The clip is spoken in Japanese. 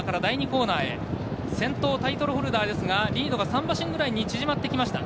先頭タイトルホルダーですがリードが３馬身ぐらいに縮まってきました。